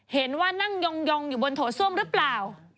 เห็นว่านั่งยองอยู่บนโถส้วมหรือเปล่า